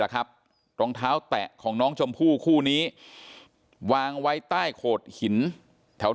ครับรองเท้าแตะของน้องชมพู่คู่นี้วางไว้ใต้โขดหินแถว